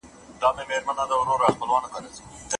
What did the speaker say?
که نجونې خیاطې وي نو جامې به نه شلیږي.